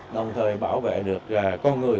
đồng thời bảo vệ được là con người